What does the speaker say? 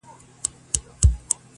له نقابو یې پرهېزګاره درخانۍ ایستله؛